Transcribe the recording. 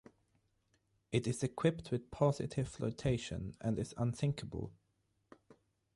It is equipped with positive flotation and is unsinkable.